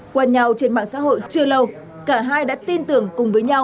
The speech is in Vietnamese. qua nhau trên mạng xã hội chưa lâu cả hai đã tin tưởng cùng nhau